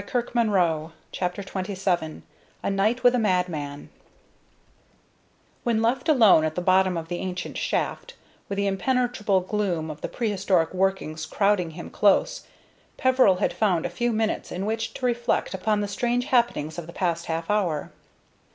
CHAPTER XXVII A NIGHT WITH A MADMAN When left alone at the bottom of the ancient shaft, with the impenetrable gloom of the prehistoric workings crowding him close, Peveril had found a few minutes in which to reflect upon the strange happenings of the past half hour.